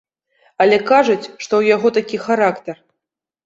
Але кажуць, што ў яго такі характар.